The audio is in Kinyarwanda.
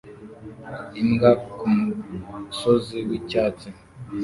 Imbwa kumusozi wicyatsi